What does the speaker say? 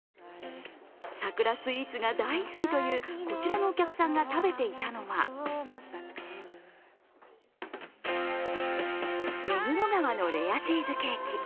桜スイーツが大好きというこちらのお客さんが食べていたのは目黒川のレアチーズケーキ。